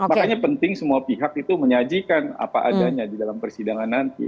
makanya penting semua pihak itu menyajikan apa adanya di dalam persidangan nanti